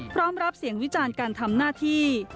รับเสียงวิจารณ์การทำหน้าที่